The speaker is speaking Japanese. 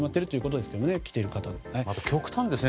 でも、極端ですね。